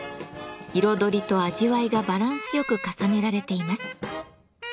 彩りと味わいがバランスよく重ねられています。